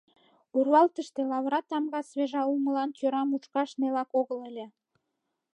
Урвалтыште лавыра тамга свежа улмылан кӧра мушкаш нелак огыл ыле.